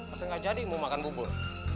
apa gak jadi mau makan bubur